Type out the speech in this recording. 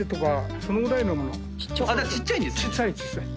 ちっちゃいんですね。